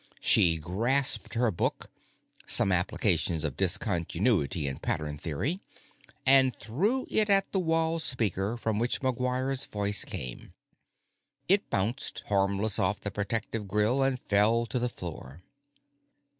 She grasped her book "Some Applications of Discontinuity in Pattern Theory" and threw it at the wall speaker from which McGuire's voice came. It bounced harmless off the protective grill and fell to the floor.